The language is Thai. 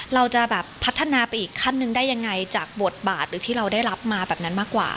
เราจะแบบพัฒนาไปอีกขั้นหนึ่งได้ยังไงจากบทบาทหรือที่เราได้รับมาแบบนั้นมากกว่า